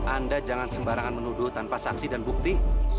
anda jangan sembarangan menuduh tanpa sanksi dan bukti